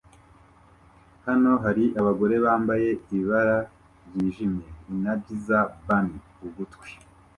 Hano hari abagore bambaye ibara ryijimye Energizer bunny ugutwi